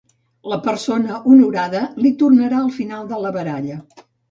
La persona honorada li tornarà al final de la baralla.